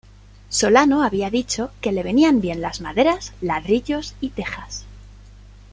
Solano había dicho que le venían bien las maderas, ladrillos y tejas.